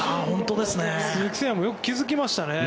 鈴木誠也もよく気付きましたね。